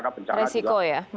resiko ya mengurangi resikonya